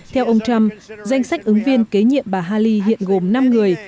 theo ông trump danh sách ứng viên kế nhiệm bà haley hiện gồm năm người